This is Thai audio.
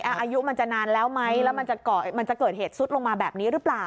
อายุมันจะนานแล้วไหมแล้วมันจะเกิดเหตุซุดลงมาแบบนี้หรือเปล่า